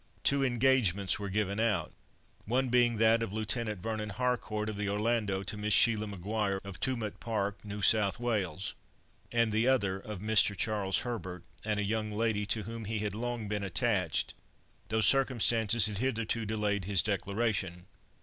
Two engagements were "given out," one being that of Lieutenant Vernon Harcourt, of the Orlando, to Miss Sheila Maguire, of Tumut Park, New South Wales, and the other of Mr. Charles Herbert, and a young lady to whom he had long been attached, though circumstances had hitherto delayed his declaration.